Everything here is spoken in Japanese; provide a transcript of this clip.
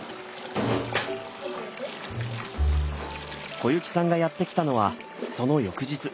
小雪さんがやって来たのはその翌日。